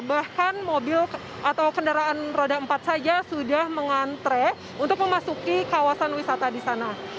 bahkan mobil atau kendaraan roda empat saja sudah mengantre untuk memasuki kawasan wisata di sana